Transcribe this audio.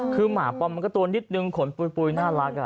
คือหมาปอมมันก็ตัวนิดนึงขนปุ๋ยน่ารัก